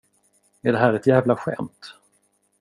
Är det här ett jävla skämt?